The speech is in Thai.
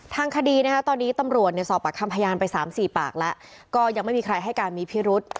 ทางคดีนะคะตอนนี้ตำรวจสอบปากคำพยานไป๓๔ปากแล้วก็ยังไม่มีใครให้การมีพิรุษ